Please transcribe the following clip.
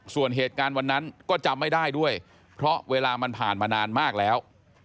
ส่วนเหตุการณ์วันนั้นก็จำไม่ได้ด้วยเพราะเวลามันผ่านมานานมากแล้ว